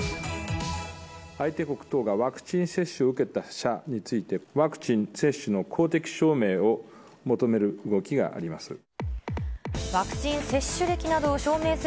相手国等がワクチン接種を受けた者について、ワクチン接種の公的証明を求める動きがあります。